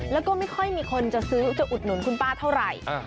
แล้วก็ไม่ค่อยมีคนจะซื้อจะอุดหนุนคุณป้าเท่าไหร่